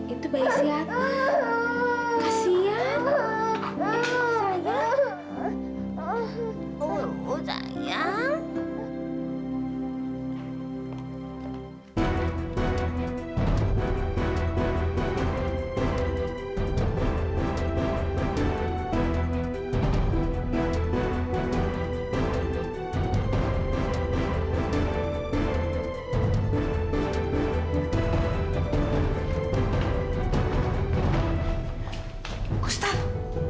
itu bayi siapa